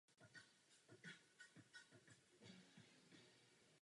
Mnoho z nich zažilo bojové akce na východní frontě při ústupu německé armády.